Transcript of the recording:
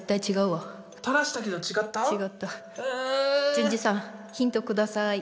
淳二さんヒント下さい。